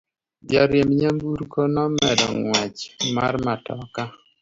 Jariemb nyamburko nomedo ng'wech mar matoka.